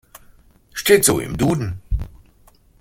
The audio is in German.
Steht so im Duden.